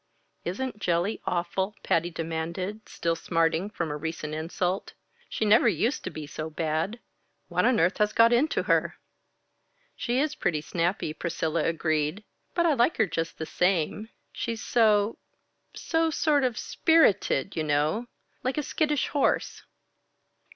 "Isn't Jelly awful?" Patty demanded, still smarting from the recent insult. "She never used to be so bad. What on earth has got into her?" "She is pretty snappy," Priscilla agreed. "But I like her just the same. She's so so sort of spirited, you know like a skittish horse."